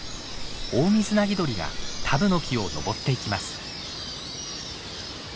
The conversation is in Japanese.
オオミズナギドリがタブノキを登っていきます。